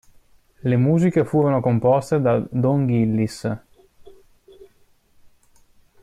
Le musiche furono composte da Don Gillis.